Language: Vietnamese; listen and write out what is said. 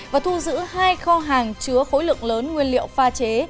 và thu giữ hai kho hàng chứa khối lượng lớn nguyên liệu pha chế